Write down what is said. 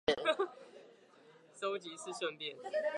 收集是順便